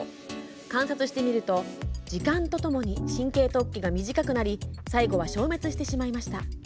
観察してみると時間とともに神経突起が短くなり最後は消滅していまいました。